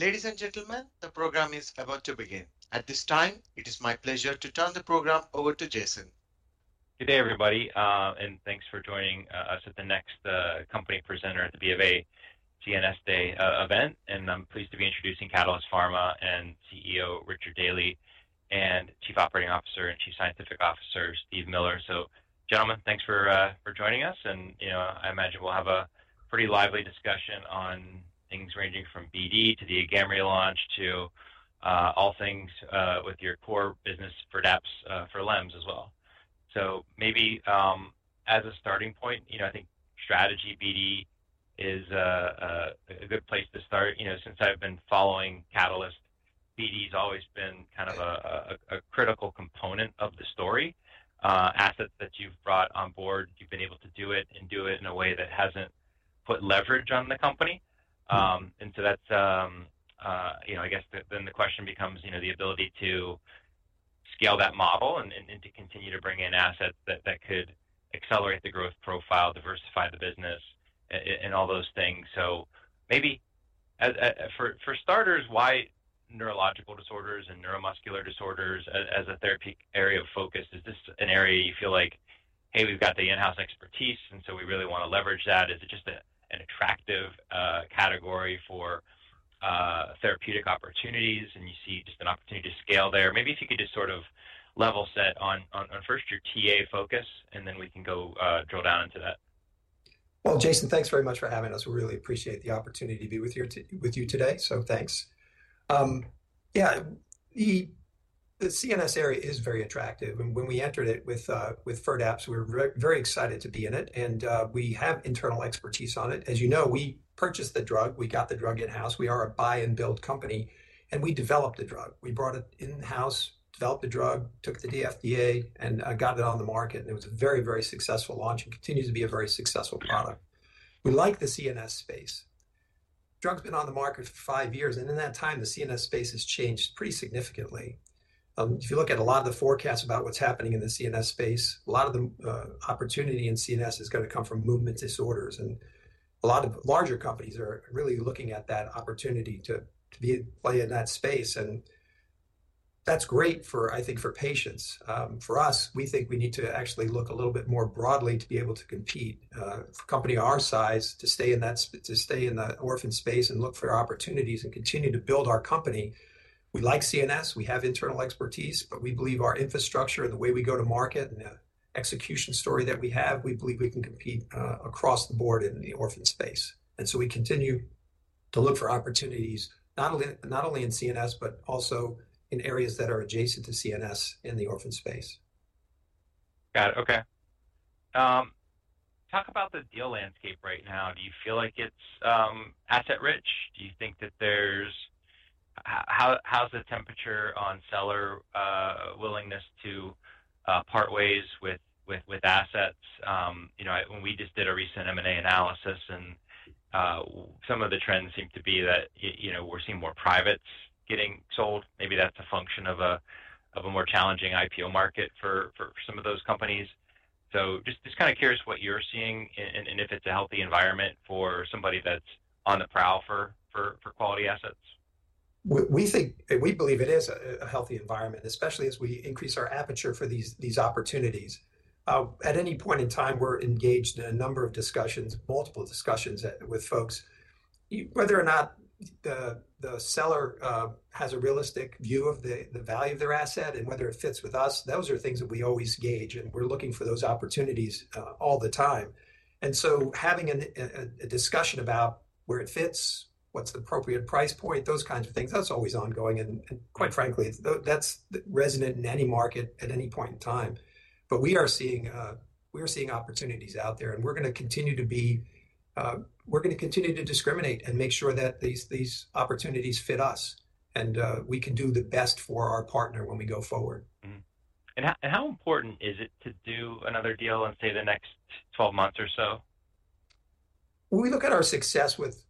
Ladies and gentlemen, the program is about to begin. At this time, it is my pleasure to turn the program over to Jason. Good day, everybody, and thanks for joining us at the next company presenter at the BofA CNS Day event. And I'm pleased to be introducing Catalyst Pharma and CEO Richard Daly and Chief Operating Officer and Chief Scientific Officer, Steve Miller. So gentlemen, thanks for joining us, and, you know, I imagine we'll have a pretty lively discussion on things ranging from BD to the AGAMREE launch, to all things with your core business for FIRDAPSE for LEMS as well. So maybe as a starting point, you know, I think strategy BD is a good place to start. You know, since I've been following Catalyst, BD's always been kind of a critical component of the story. Assets that you've brought on board, you've been able to do it and do it in a way that hasn't put leverage on the company. And so that's, you know, I guess the... then the question becomes, you know, the ability to scale that model and to continue to bring in assets that could accelerate the growth profile, diversify the business, and all those things. So maybe for starters, why neurological disorders and neuromuscular disorders as a therapeutic area of focus? Is this an area you feel like, "Hey, we've got the in-house expertise, and so we really wanna leverage that?" Is it just a, an attractive category for therapeutic opportunities, and you see just an opportunity to scale there? Maybe if you could just sort of level set on first your TA focus, and then we can go, drill down into that. Well, Jason, thanks very much for having us. We really appreciate the opportunity to be with you with you today, so thanks. Yeah, the CNS area is very attractive, and when we entered it with with FIRDAPSE, we were very excited to be in it, and we have internal expertise on it. As you know, we purchased the drug, we got the drug in-house. We are a buy-and-build company, and we developed the drug. We brought it in-house, developed the drug, took it to the FDA, and got it on the market, and it was a very, very successful launch and continues to be a very successful product. We like the CNS space. Drug's been on the market for five years, and in that time, the CNS space has changed pretty significantly. If you look at a lot of the forecasts about what's happening in the CNS space, a lot of the opportunity in CNS is gonna come from movement disorders, and a lot of larger companies are really looking at that opportunity to be a player in that space, and that's great for, I think, for patients. For us, we think we need to actually look a little bit more broadly to be able to compete, for a company our size, to stay in the orphan space and look for opportunities and continue to build our company. We like CNS, we have internal expertise, but we believe our infrastructure and the way we go to market and the execution story that we have, we believe we can compete across the board in the orphan space. We continue to look for opportunities, not only in CNS, but also in areas that are adjacent to CNS in the orphan space. Got it. Okay. Talk about the deal landscape right now. Do you feel like it's asset rich? Do you think that there's... how's the temperature on seller willingness to part ways with assets? You know, when we just did a recent M&A analysis, and some of the trends seem to be that, you know, we're seeing more privates getting sold. Maybe that's a function of a more challenging IPO market for some of those companies. So just kinda curious what you're seeing and if it's a healthy environment for somebody that's on the prowl for quality assets. We think, and we believe it is a healthy environment, especially as we increase our aperture for these opportunities. At any point in time, we're engaged in a number of discussions, multiple discussions with folks. Whether or not the seller has a realistic view of the value of their asset and whether it fits with us, those are things that we always gauge, and we're looking for those opportunities all the time, and so having a discussion about where it fits, what's the appropriate price point, those kinds of things, that's always ongoing, and quite frankly, that's resonant in any market at any point in time, but we are seeing opportunities out there, and we're gonna continue to be... we're gonna continue to discriminate and make sure that these opportunities fit us, and we can do the best for our partner when we go forward. Mm-hmm, and how important is it to do another deal in, say, the next 12 months or so? When we look at our success with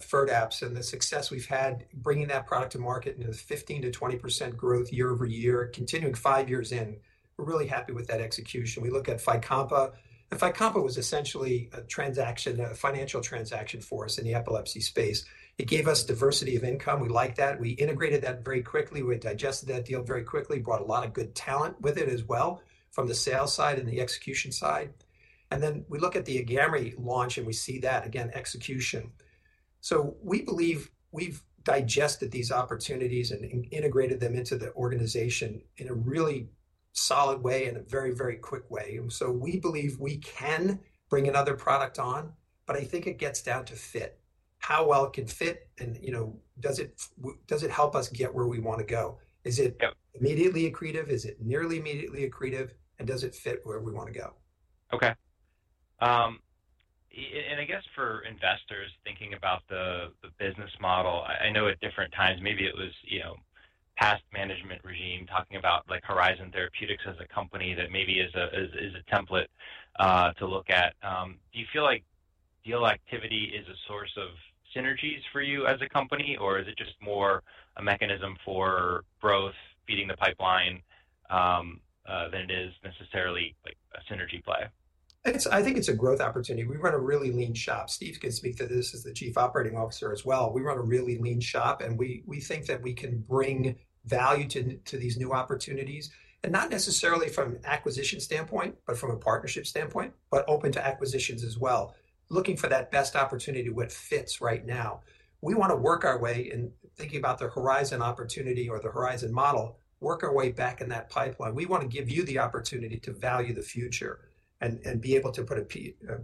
FIRDAPSE and the success we've had bringing that product to market, and it was 15%-20% growth year-over-year, continuing five years in, we're really happy with that execution. We look at FYCOMPA, and FYCOMPA was essentially a transaction, a financial transaction for us in the epilepsy space. It gave us diversity of income. We liked that. We integrated that very quickly. We digested that deal very quickly, brought a lot of good talent with it as well, from the sales side and the execution side. And then we look at the AGAMREE launch, and we see that, again, execution. So we believe we've digested these opportunities and integrated them into the organization in a really solid way and a very, very quick way. And so we believe we can bring another product on, but I think it gets down to fit. How well it can fit, and, you know, does it help us get where we wanna go? Is it immediately accretive? Is it nearly immediately accretive, and does it fit where we wanna go? Okay. And I guess for investors thinking about the business model, I know at different times, maybe it was, you know, past management regime talking about, like, Horizon Therapeutics as a company that maybe is a template to look at. Do you feel like deal activity is a source of synergies for you as a company, or is it just more a mechanism for growth, feeding the pipeline, than it is necessarily like a synergy play? It's, I think it's a growth opportunity. We run a really lean shop. Steve can speak to this as the Chief Operating Officer as well. We run a really lean shop, and we think that we can bring value to these new opportunities, and not necessarily from an acquisition standpoint, but from a partnership standpoint, but open to acquisitions as well. Looking for that best opportunity, what fits right now. We wanna work our way, in thinking about the Horizon opportunity or the Horizon model, work our way back in that pipeline. We wanna give you the opportunity to value the future and be able to put a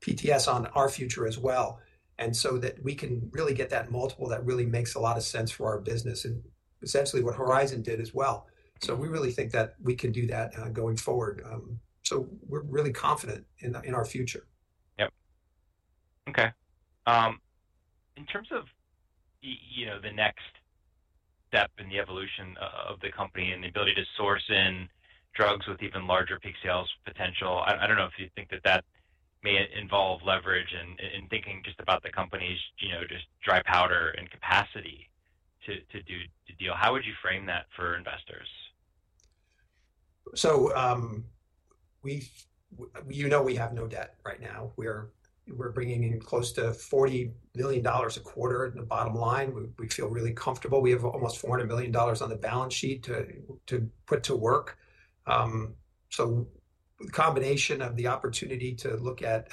PTS on our future as well, and so that we can really get that multiple that really makes a lot of sense for our business and essentially what Horizon did as well. So we really think that we can do that, going forward. So we're really confident in our future. Yep. Okay. In terms of you know, the next step in the evolution of the company and the ability to source in drugs with even larger peak sales potential, I don't know if you think that that may involve leverage. And in thinking just about the company's, you know, just dry powder and capacity to do the deal, how would you frame that for investors? You know we have no debt right now. We're bringing in close to $40 million a quarter in the bottom line. We feel really comfortable. We have almost $400 million on the balance sheet to put to work. So the combination of the opportunity to look at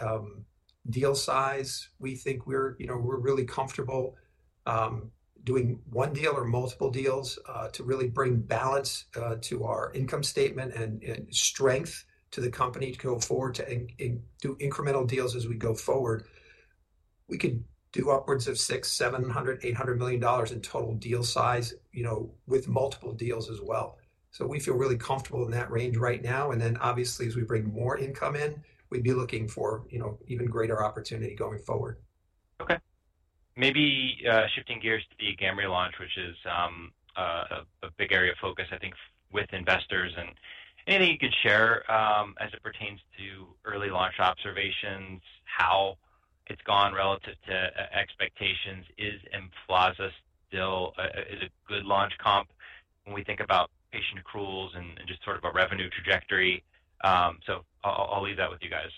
deal size, we think we're, you know, we're really comfortable doing one deal or multiple deals to really bring balance to our income statement and strength to the company to go forward and do incremental deals as we go forward. We could do upwards of $600 million, $700 million, $800 million in total deal size, you know, with multiple deals as well. So we feel really comfortable in that range right now, and then obviously, as we bring more income in, we'd be looking for, you know, even greater opportunity going forward. Okay. Maybe shifting gears to the AGAMREE launch, which is a big area of focus, I think, with investors. And anything you could share as it pertains to early launch observations, how it's gone relative to expectations. Is Emflaza still a good launch comp when we think about patient accruals and just sort of a revenue trajectory? So I'll leave that with you guys.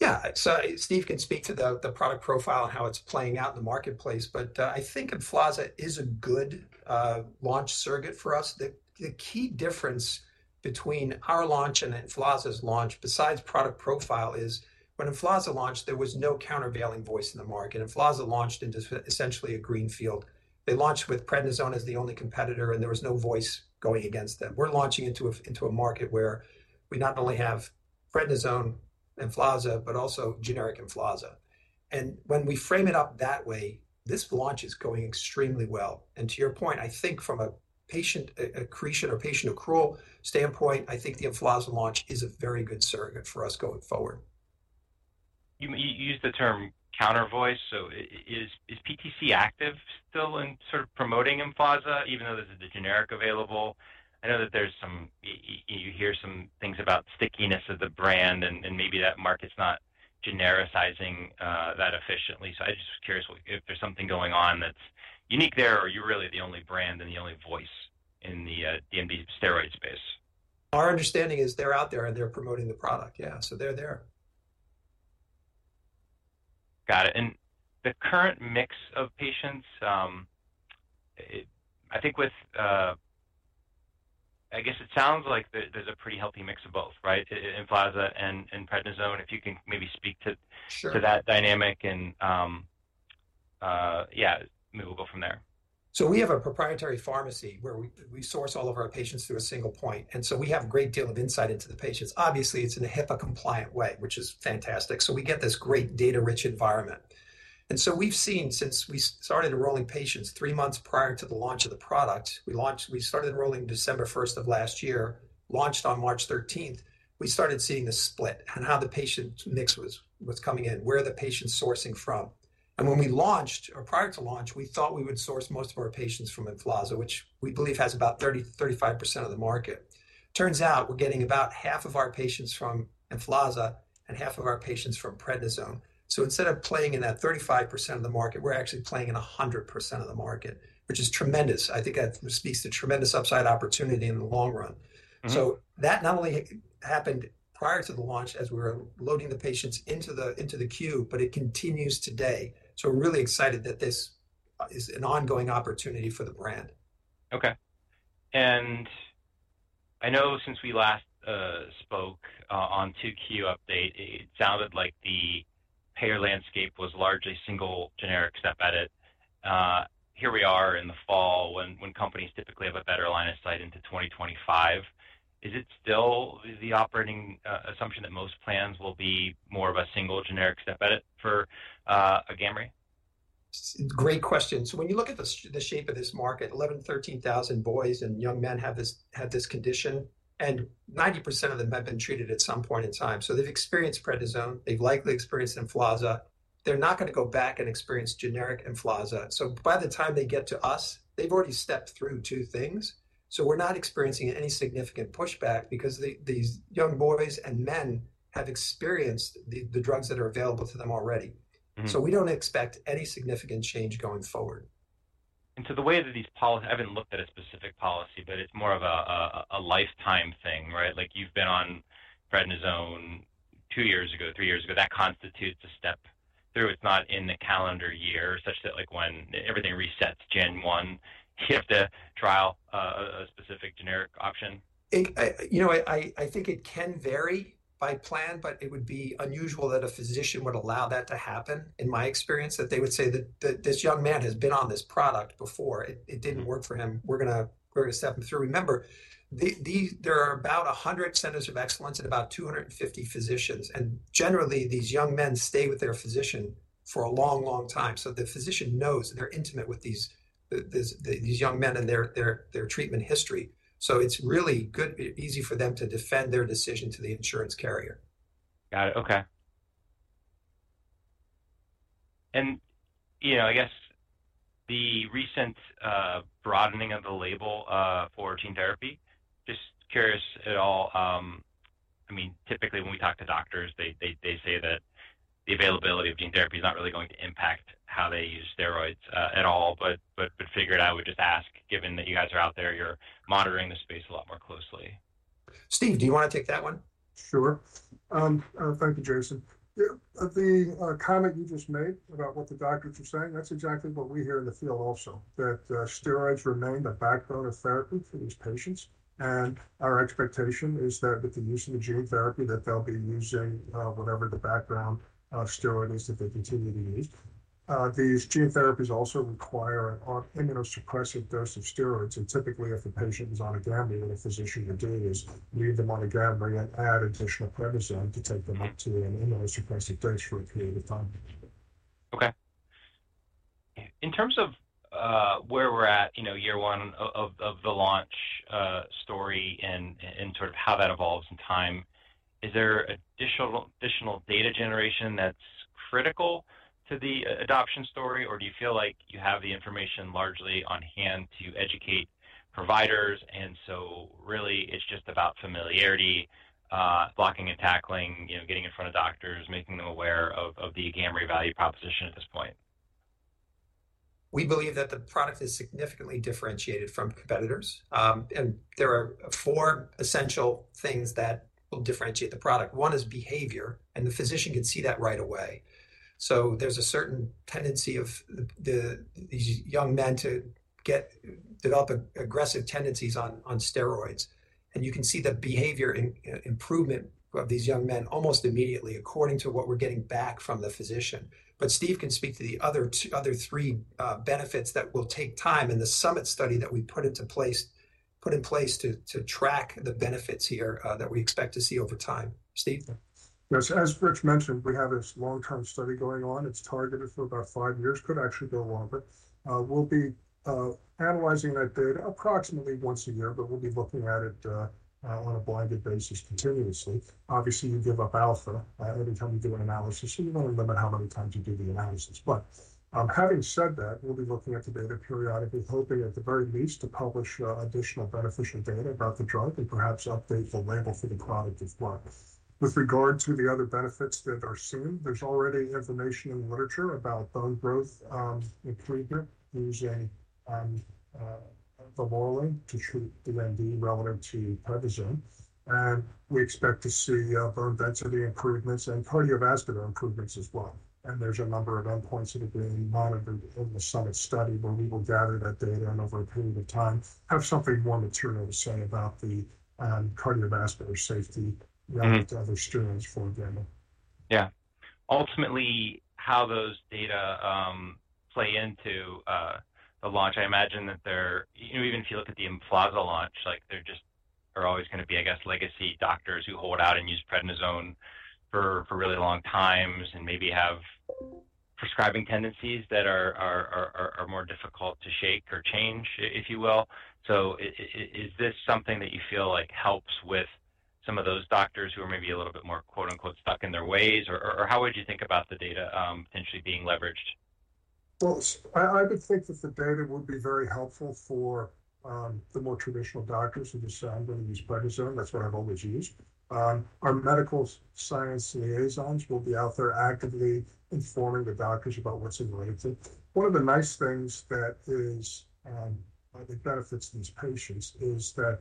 Yeah. So Steve can speak to the product profile and how it's playing out in the marketplace, but I think Emflaza is a good launch surrogate for us. The key difference between our launch and Emflaza's launch, besides product profile, is when Emflaza launched, there was no countervailing voice in the market. Emflaza launched into essentially a green field. They launched with prednisone as the only competitor, and there was no voice going against them. We're launching into a market where we not only have prednisone, Emflaza, but also generic Emflaza. And when we frame it up that way, this launch is going extremely well. And to your point, I think from a patient accretion or patient accrual standpoint, I think the Emflaza launch is a very good surrogate for us going forward. You used the term counter voice, so is PTC active still in sort of promoting Emflaza, even though there's the generic available? I know that there's some— you hear some things about stickiness of the brand and maybe that market's not genericizing that efficiently. So I'm just curious if there's something going on that's unique there, or are you really the only brand and the only voice in the DMD steroid space? Our understanding is they're out there, and they're promoting the product. Yeah, so they're there. Got it. And the current mix of patients, I think with, I guess it sounds like there, there's a pretty healthy mix of both, right? Emflaza and, and prednisone, if you can maybe speak to that dynamic and, yeah, maybe we'll go from there. We have a proprietary pharmacy where we source all of our patients through a single point, and so we have a great deal of insight into the patients. Obviously, it's in a HIPAA-compliant way, which is fantastic, so we get this great data-rich environment. And so we've seen since we started enrolling patients three months prior to the launch of the product. We started enrolling December 1st of last year, launched on March 13th. We started seeing this split and how the patient mix was coming in, where are the patients sourcing from? And when we launched, or prior to launch, we thought we would source most of our patients from Emflaza, which we believe has about 30%, 35% of the market. Turns out we're getting about half of our patients from Emflaza and half of our patients from prednisone. So instead of playing in that 35% of the market, we're actually playing in a 100% of the market, which is tremendous. I think that speaks to tremendous upside opportunity in the long run. That not only happened prior to the launch as we were loading the patients into the queue, but it continues today. We're really excited that this is an ongoing opportunity for the brand. Okay. And I know since we last spoke on 2Q update, it sounded like the payer landscape was largely single generic step edit. Here we are in the fall when companies typically have a better line of sight into 2025. Is it still the operating assumption that most plans will be more of a single generic step edit for AGAMREE? Great question. So when you look at the shape of this market, 11,000, 13,000 boys and young men have this, had this condition, and 90% of them have been treated at some point in time. So they've experienced prednisone. They've likely experienced Emflaza. They're not gonna go back and experience generic Emflaza. So by the time they get to us, they've already stepped through two things. So we're not experiencing any significant pushback because these young boys and men have experienced the drugs that are available to them already. So we don't expect any significant change going forward. And so the way that these policies, I haven't looked at a specific policy, but it's more of a lifetime thing, right? Like, you've been on prednisone two years ago, three years ago, that constitutes a step through. It's not in the calendar year, such that like when everything resets Jan 1, you have to trial a specific generic option. You know, I think it can vary by plan, but it would be unusual that a physician would allow that to happen, in my experience, that they would say that this young man has been on this product before. It didn't work for him. We're gonna step him through. Remember, there are about a hundred centers of excellence and about 250 physicians, and generally, these young men stay with their physician for a long, long time. So the physician knows, they're intimate with these young men and their treatment history. So it's really good, easy for them to defend their decision to the insurance carrier. Got it. Okay. And, you know, I guess the recent broadening of the label for gene therapy, just curious at all. I mean, typically when we talk to doctors, they say that the availability of gene therapy is not really going to impact how they use steroids at all, but figured I would just ask, given that you guys are out there, you're monitoring the space a lot more closely. Steve, do you want to take that one? Sure. Thank you, Jason. Yeah, the comment you just made about what the doctors are saying, that's exactly what we hear in the field also, that steroids remain the backbone of therapy for these patients. And our expectation is that with the use of the gene therapy, that they'll be using whatever the background steroid is that they continue to use. These gene therapies also require an immunosuppressive dose of steroids, and typically, if a patient is on AGAMREE, what a physician would do is leave them on AGAMREE and add additional prednisone to take them up to an immunosuppressive dose for a period of time. Okay. In terms of where we're at, you know, year one of the launch story and sort of how that evolves in time, is there additional data generation that's critical to the adoption story? Or do you feel like you have the information largely on hand to educate providers, and so really it's just about familiarity, blocking and tackling, you know, getting in front of doctors, making them aware of the AGAMREE value proposition at this point? We believe that the product is significantly differentiated from competitors, and there are four essential things that will differentiate the product. One is behavior, and the physician can see that right away. So there's a certain tendency of these young men to develop aggressive tendencies on steroids, and you can see the behavior improvement of these young men almost immediately, according to what we're getting back from the physician. But Steve can speak to the other three benefits that will take time in the summit study that we put in place to track the benefits here that we expect to see over time. Steve? Yes. As Rich mentioned, we have this long-term study going on. It's targeted for about five years, could actually go longer. We'll be analyzing that data approximately once a year, but we'll be looking at it on a blinded basis continuously. Obviously, you give up alpha every time you do an analysis, so you want to limit how many times you do the analysis. But having said that, we'll be looking at the data periodically, hoping at the very least, to publish additional beneficial data about the drug and perhaps update the label for the product as well. With regard to the other benefits that are seen, there's already information in the literature about bone growth improvement using vamorolone to treat DMD relative to prednisone, and we expect to see bone density improvements and cardiovascular improvements as well. There's a number of endpoints that are being monitored in the summit study, where we will gather that data and over a period of time, have something more material to say about the cardiovascular safety relative to other steroids, for example. Yeah. Ultimately, how those data play into the launch, I imagine that there... you know, even if you look at the Emflaza launch, like there just are always gonna be, I guess, legacy doctors who hold out and use prednisone for really long times and maybe have prescribing tendencies that are more difficult to shake or change, if you will. So is this something that you feel like helps with some of those doctors who are maybe a little bit more, "stuck in their ways," or how would you think about the data potentially being leveraged? Well, I would think that the data would be very helpful for the more traditional doctors who just say, "I'm gonna use prednisone. That's what I've always used." Our medical science liaisons will be out there actively informing the doctors about what's in [AGAMREE]. One of the nice things that is that benefits these patients is that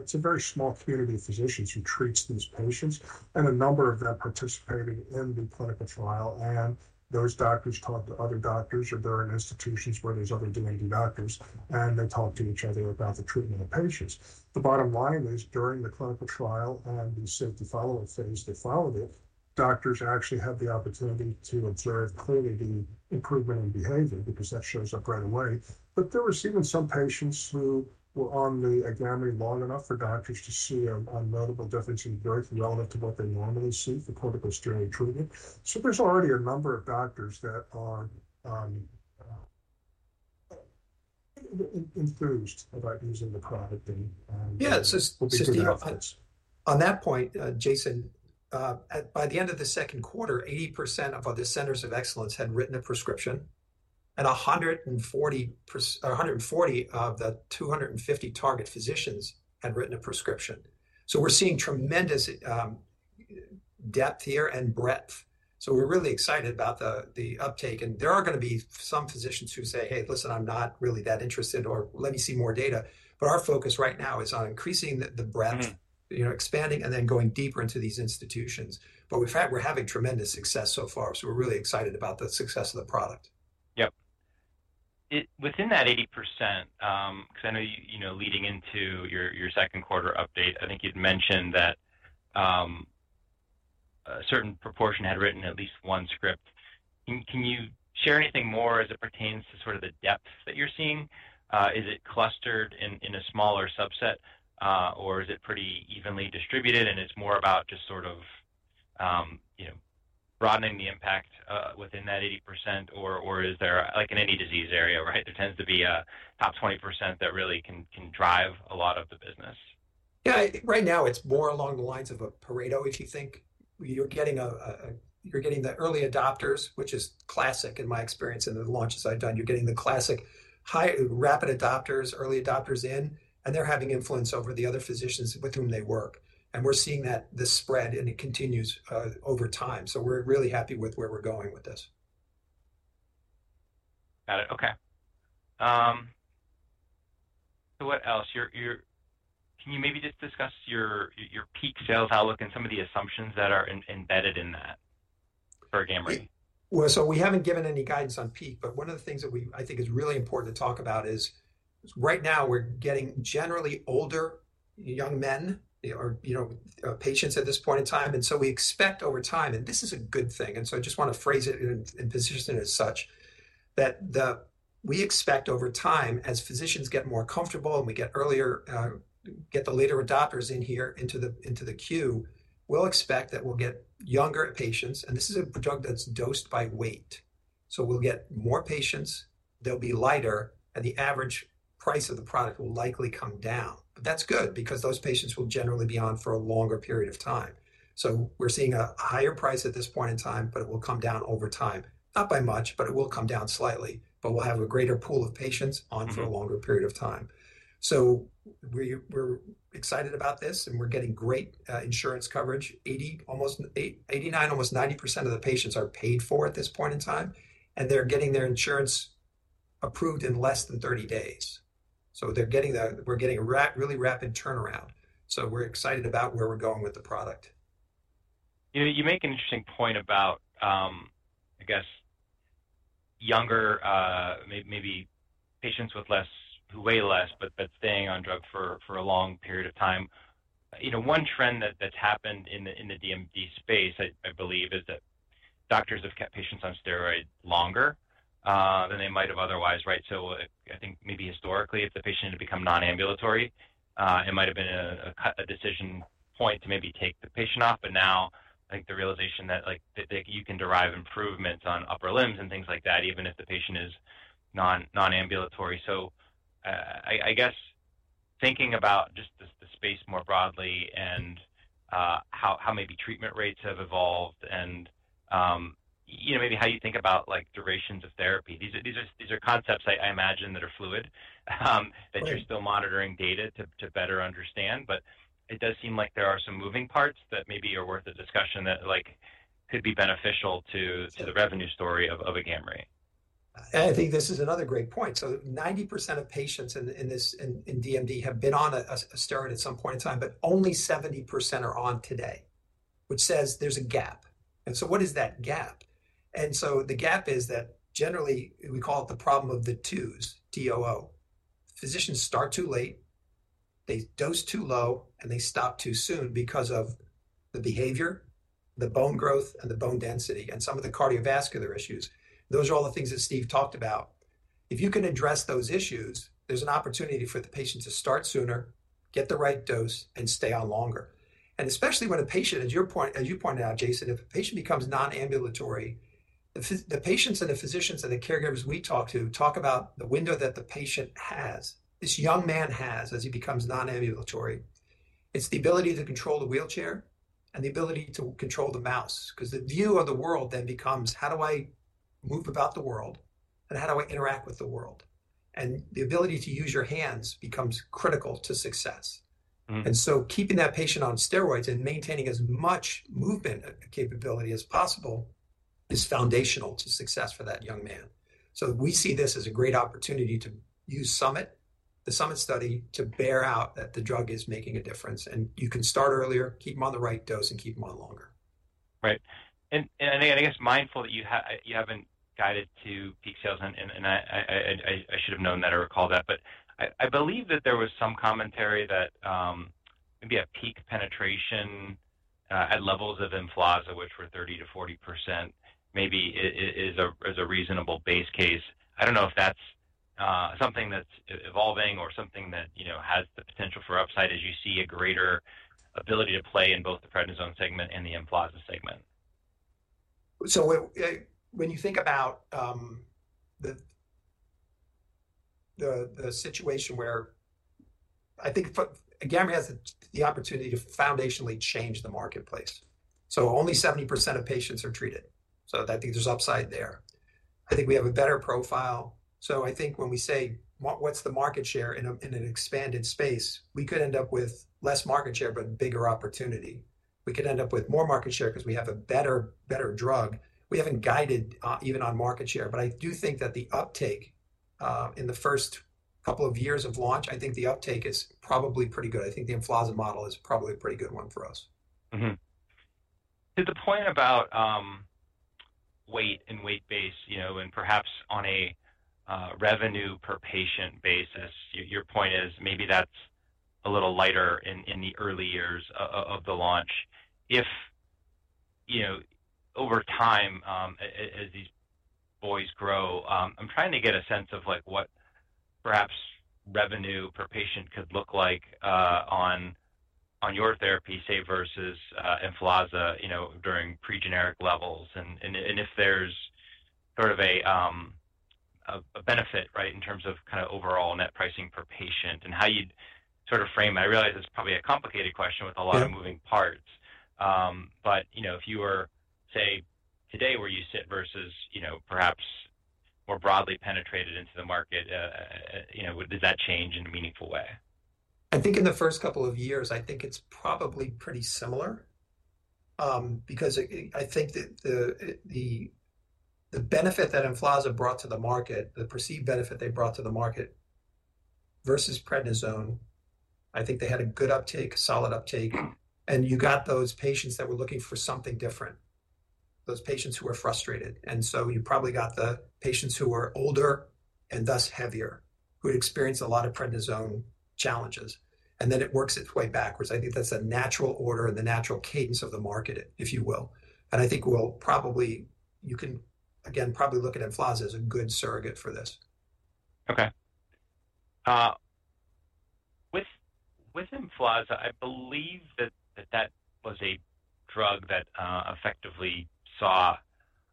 it's a very small community of physicians who treats these patients, and a number of them participating in the clinical trial, and those doctors talk to other doctors, or they're in institutions where there's other DMD doctors, and they talk to each other about the treatment of patients. The bottom line is, during the clinical trial and the safety follow-up phase that followed it, doctors actually had the opportunity to observe clearly the improvement in behavior because that shows up right away. But there was even some patients who were on the AGAMREE long enough for doctors to see a notable difference in growth relative to what they normally see for corticosteroid treatment. So there's already a number of doctors that are enthused about using the product and— Yeah, so Steve- —will be good at it.... on that point, Jason, by the end of the second quarter, 80% of the centers of excellence had written a prescription, and 140 of the 250 target physicians had written a prescription. So we're seeing tremendous depth here and breadth. So we're really excited about the uptake, and there are gonna be some physicians who say, "Hey, listen, I'm not really that interested," or, "Let me see more data." But our focus right now is on increasing the breadth, you know, expanding and then going deeper into these institutions. But we've had, we're having tremendous success so far, so we're really excited about the success of the product. Yep. It within that 80%, 'cause I know you, you know, leading into your second quarter update, I think you'd mentioned that a certain proportion had written at least one script. Can you share anything more as it pertains to sort of the depth that you're seeing? Is it clustered in a smaller subset, or is it pretty evenly distributed, and it's more about just sort of you know, broadening the impact within that 80%? Or is there... like in any disease area, right, there tends to be a top 20% that really can drive a lot of the business. Yeah. Right now, it's more along the lines of a Pareto. If you think, you're getting the early adopters, which is classic in my experience in the launches I've done. You're getting the classic high rapid adopters, early adopters in, and they're having influence over the other physicians with whom they work, and we're seeing that, this spread, and it continues over time. So we're really happy with where we're going with this. Got it. Okay. So what else? Can you maybe just discuss your peak sales outlook and some of the assumptions that are embedded in that for AGAMREE? Well, so we haven't given any guidance on peak, but one of the things that we I think is really important to talk about is, right now we're getting generally older young men. They are, you know, patients at this point in time, and so we expect over time, and this is a good thing, and so I just wanna phrase it in position as such, that we expect over time, as physicians get more comfortable and we get earlier get the later adopters in here into the queue, we'll expect that we'll get younger patients, and this is a drug that's dosed by weight. So we'll get more patients, they'll be lighter, and the average price of the product will likely come down, but that's good, because those patients will generally be on for a longer period of time. So we're seeing a higher price at this point in time, but it will come down over time. Not by much, but it will come down slightly, but we'll have a greater pool of patients on for a longer period of time. So we're excited about this, and we're getting great insurance coverage. 89%, almost 90% of the patients are paid for at this point in time, and they're getting their insurance approved in less than 30 days. So they're getting... we're getting a really rapid turnaround. So we're excited about where we're going with the product. You make an interesting point about, I guess, younger, maybe patients with less, who weigh less, but staying on drug for a long period of time. You know, one trend that's happened in the DMD space, I believe, is that doctors have kept patients on steroids longer than they might have otherwise, right? So I think maybe historically, if the patient had become non-ambulatory, it might have been a decision point to maybe take the patient off, but now, I think the realization that, like, that you can derive improvements on upper limbs and things like that, even if the patient is non-ambulatory. So, I guess, thinking about just the space more broadly and how maybe treatment rates have evolved and, you know, maybe how you think about like durations of therapy. These are concepts I imagine that are fluid. That you're still monitoring data to better understand, but it does seem like there are some moving parts that maybe are worth a discussion that, like, could be beneficial to the revenue story of AGAMREE. I think this is another great point. 90% of patients in this— in DMD have been on a steroid at some point in time, but only 70% are on today, which says there's a gap. What is that gap? The gap is that generally, we call it the problem of the too's, T-O-O. Physicians start too late, they dose too low, and they stop too soon because of the behavior, the bone growth, and the bone density, and some of the cardiovascular issues. Those are all the things that Steve talked about. If you can address those issues, there's an opportunity for the patient to start sooner, get the right dose, and stay on longer. Especially when a patient, as you pointed out, Jason, if a patient becomes non-ambulatory, the patients and the physicians and the caregivers we talk to talk about the window that the patient has, this young man has, as he becomes non-ambulatory. It's the ability to control the wheelchair and the ability to control the mouse, 'cause the view of the world then becomes: How do I move about the world, and how do I interact with the world? The ability to use your hands becomes critical to success. And so keeping that patient on steroids and maintaining as much movement capability as possible is foundational to success for that young man. So we see this as a great opportunity to use SUMMIT, the SUMMIT study, to bear out that the drug is making a difference, and you can start earlier, keep him on the right dose, and keep him on longer. Right. And I guess, mindful that you haven't guided to peak sales, and I should have known that or recalled that, but I believe that there was some commentary that, maybe a peak penetration at levels of Emflaza, which were 30%-40%, maybe is a reasonable base case. I don't know if that's something that's evolving or something that, you know, has the potential for upside as you see a greater ability to play in both the prednisone segment and the Emflaza segment. When you think about the situation where I think AGAMREE has the opportunity to foundationally change the marketplace. Only 70% of patients are treated, so I think there's upside there. I think we have a better profile. When we say what's the market share in an expanded space, we could end up with less market share, but bigger opportunity. We could end up with more market share 'cause we have a better drug. We haven't guided even on market share, but I do think that the uptake in the first couple of years of launch, i think the uptake is probably pretty good. I think the Emflaza model is probably a pretty good one for us. Mm-hmm. To the point about weight and weight base, you know, and perhaps on a revenue per patient basis, your point is maybe that's a little lighter in the early years of the launch. If, you know, over time, as these boys grow, I'm trying to get a sense of like what perhaps revenue per patient could look like on your therapy, say, versus Emflaza, you know, during pre-generic levels, and if there's sort of a benefit, right, in terms of kinda overall net pricing per patient and how you'd sort of frame... I realize it's probably a complicated question with a lot of moving parts. But, you know, if you were, say, today, where you sit versus, you know, perhaps more broadly penetrated into the market, you know, does that change in a meaningful way? I think in the first couple of years, I think it's probably pretty similar, because I think that the benefit that Emflaza brought to the market, the perceived benefit they brought to the market versus prednisone, I think they had a good uptake, a solid uptake. You got those patients that were looking for something different, those patients who were frustrated. So you probably got the patients who were older and thus heavier, who had experienced a lot of prednisone challenges, and then it works its way backwards. I think that's a natural order and the natural cadence of the market, if you will. I think we'll probably... you can, again, probably look at Emflaza as a good surrogate for this. Okay. With Emflaza, I believe that was a drug that effectively saw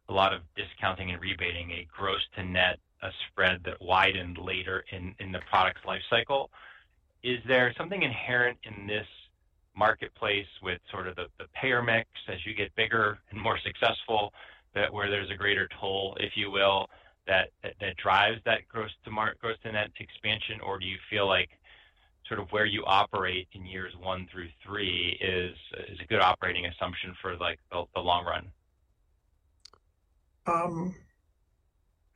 a lot of discounting and rebating, a gross to net, a spread that widened later in the product's life cycle. Is there something inherent in this marketplace with sort of the payer mix as you get bigger and more successful, that where there's a greater toll, if you will, that drives that gross to net expansion? Or do you feel like sort of where you operate in years one through three is a good operating assumption for, like, the long run?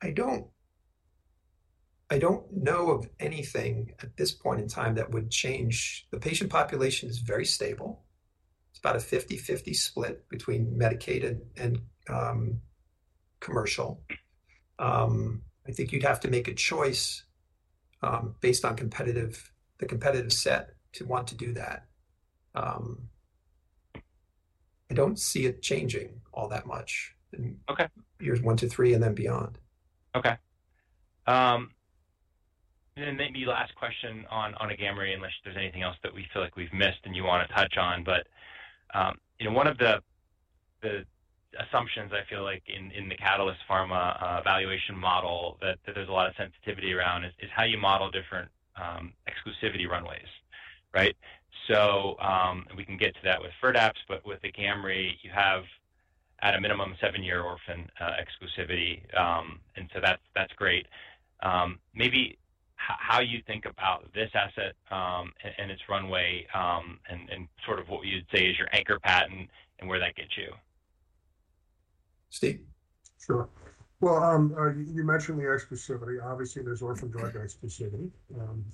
I don't know of anything at this point in time that would change. The patient population is very stable. It's about a 50/50 split between Medicaid and commercial. I think you'd have to make a choice based on the competitive set to want to do that. I don't see it changing all that much in years one-three and then beyond. Okay. And maybe last question on AGAMREE, unless there's anything else that we feel like we've missed and you wanna touch on. But you know, one of the assumptions I feel like in the Catalyst Pharma valuation model that there's a lot of sensitivity around is how you model different exclusivity runways, right? So and we can get to that with FIRDAPSE, but with the AGAMREE, you have at a minimum seven-year orphan exclusivity. And so that's great. Maybe how you think about this asset and its runway, and sort of what you'd say is your anchor patent and where that gets you? Steve? Sure. Well, you mentioned the exclusivity. Obviously, there's orphan drug exclusivity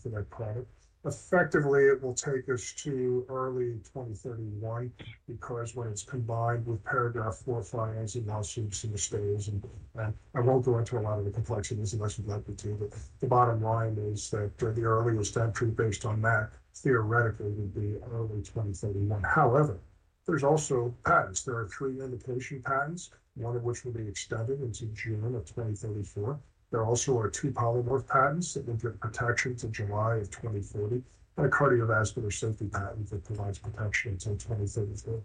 for that product. Effectively, it will take us to early 2031, because when it's combined with Paragraph IV filings and lawsuits in the states, and I won't go into a lot of the complexities unless you'd like me to, but the bottom line is that the earliest entry based on that, theoretically, would be early 2031. However, there's also patents. There are three indication patents, one of which will be extended into June of 2034. There also are two polymorph patents that will give protection to July of 2040, and a cardiovascular safety patent that provides protection until 2034.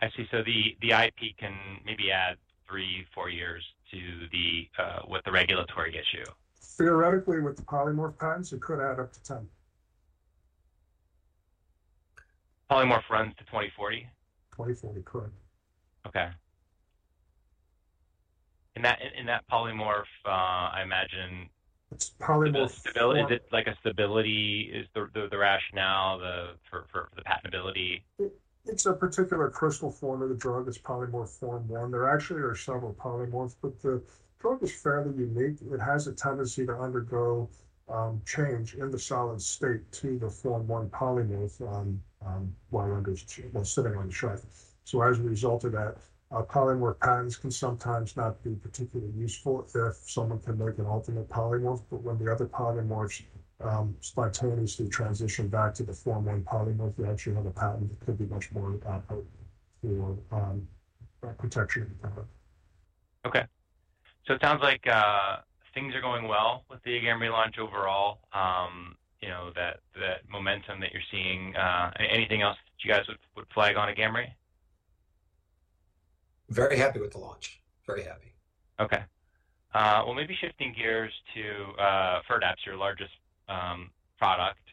I see, so the IP can maybe add three, four years to the with the regulatory issue. Theoretically, with the polymorph patents, it could add up to 10. Polymorph runs to 2040? 2040, correct. Okay. In that polymorph, I imagine- It's polymorph form— Is it like a stability? Is the rationale for the patentability? It's a particular crystal form of the drug. It's polymorph form 1. There actually are several polymorphs, but the drug is fairly unique. It has a tendency to undergo change in the solid state to the form 1 polymorph while sitting on the shelf. So as a result of that, polymorph patents can sometimes not be particularly useful if someone can make an alternate polymorph. But when the other polymorphs spontaneously transition back to the form 1 polymorph, you actually have a patent that could be much more [powerful] for protection. Okay. So it sounds like things are going well with the AGAMREE launch overall, you know, that momentum that you're seeing. Anything else that you guys would flag on AGAMREE? Very happy with the launch. Very happy. Okay. Well, maybe shifting gears to FIRDAPSE, your largest product.